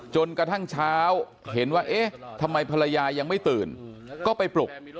จนกระทั่งเช้าเห็นว่าเอ๊ะทำไมภรรยายังไม่ตื่นก็ไปปลุก